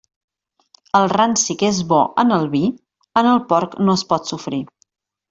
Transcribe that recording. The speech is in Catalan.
El ranci que és bo en el vi, en el porc no es pot sofrir.